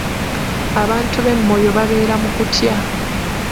Abantu b'e Moyo babeera mu kutya.